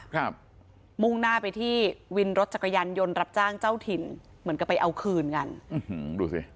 มุ่งหน้าไปที่วินรถจักรยานยนต์รับจ้างเจ้าถิ่นเหมือนกับไปเอาคืนกันอื้อหือดูสิ